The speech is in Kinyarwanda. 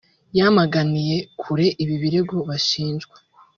yamaganiye kure ibi birego bashinjwa